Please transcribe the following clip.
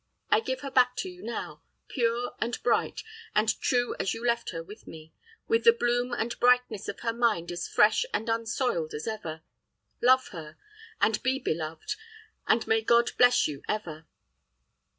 I give her back to you now, pure, and bright, and true as you left her with me, with the bloom and brightness of her mind as fresh and unsoiled as ever. Love her, and be beloved, and may God bless you ever."